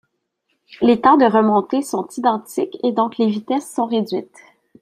Les temps de remontée sont identiques et donc les vitesses sont réduites.